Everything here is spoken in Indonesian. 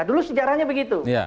dulu sejarahnya begitu